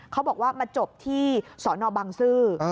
เขาบอกว่ามาจบที่สนบังซื้อ